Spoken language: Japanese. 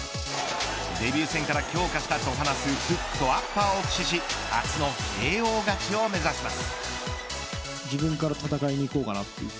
デビュー戦から強化したと話すフックとアッパーを駆使し初のＫＯ勝ちを目指します。